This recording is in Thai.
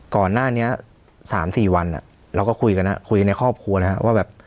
ก่อนหน้านี้๓๔วันเราก็คุยกันนะคุยในครอบครัวนะครับว่าแบบ